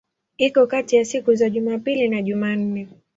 Iko kati ya siku za Jumapili na Jumanne.